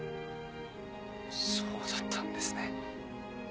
そうだったんですね。